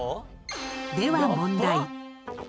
では問題。